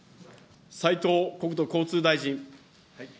斉藤国土交通大臣。